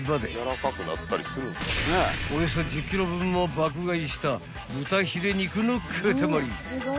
［およそ１０ｋｇ分も爆買いした豚ヒレ肉の塊］